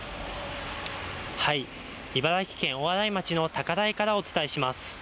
茨城県大洗町の高台からお伝えします。